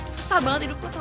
susah banget hidup gue